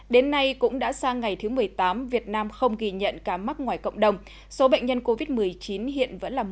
đến nay cũng đã sang ngày thứ một mươi tám việt nam không ghi nhận ca mắc ngoài cộng đồng số bệnh nhân covid một mươi chín hiện vẫn là một